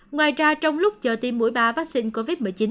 ngoài ra trong lúc chờ tiêm mũi ba vaccine covid một mươi chín